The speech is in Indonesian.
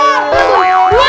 mau nangkep saya ya